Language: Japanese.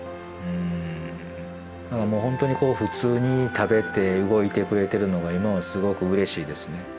ほんとに普通に食べて動いてくれてるのが今はすごくうれしいですね。